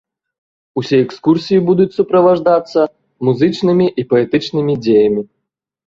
Усе экскурсіі будуць суправаджацца музычнымі і паэтычнымі дзеямі.